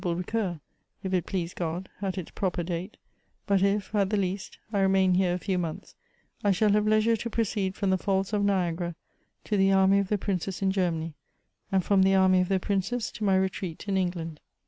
235 will recur, if it please God, at its proper date ; but if, at the least, I remain here a few months, I shall have leisure to proceed from the Falls of Niagara to the army of the princes in Germany, and from the army of the princes to my retreat in England.